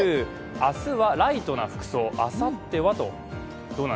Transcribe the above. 明日はライトな服装、あさってはと。